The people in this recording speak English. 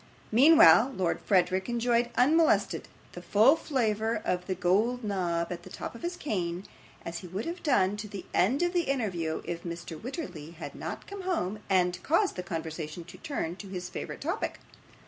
Meanwhile, Lord Verisopht enjoyed unmolested the full flavour of the gold knob at the top of his cane, as he would have done to the end of the interview if Mr. Wititterly had not come home, and caused the conversation to turn to his favourite topic.